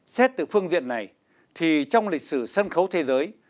xét từ phương diện này thì trong lịch sử sân khấu thế giới